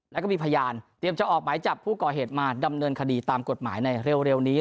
แล้วก็มีพยานเตรียมจะออกหมายจับผู้ก่อเหตุมาดำเนินคดีตามกฎหมายในเร็วนี้